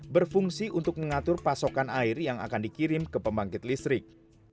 berfungsi untuk mengatur pasokan air yang akan dikirim ke pembangkit listrik